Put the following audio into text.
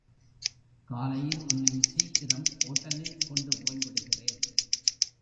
காலையில் உன்னை சீக்கிரம் ஓட்டலில் கொண்டுபோய் விடுகிறேன்.